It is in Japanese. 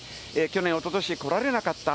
去年、おととし、来られなかった。